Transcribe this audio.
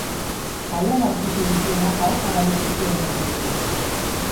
Kalean aurkitu dituenak aho zabalik utzi omen ditu.